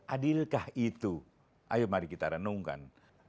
adilkah itu ayo mari kita renungkan